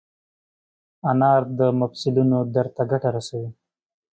انار د مفصلونو درد ته ګټه رسوي.